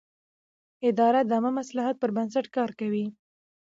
اداره د عامه مصلحت پر بنسټ کار کوي.